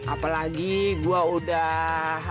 apalagi gua udah